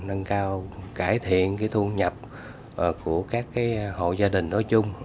nâng cao cải thiện thu nhập của các hộ gia đình nói chung